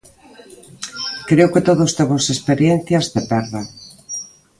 Creo que todos temos experiencias de perda.